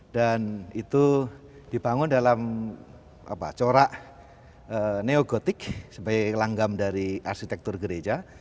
dan itu dibangun dalam corak neogotik sebagai langgam dari arsitektur gereja